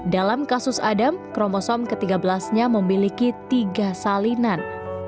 dalam kasus adam kromosom ke tiga belas nya memiliki tiga salinan